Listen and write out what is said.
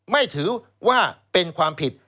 ไม่ถือว่าเป็นความผิด